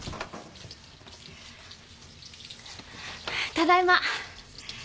ただいま。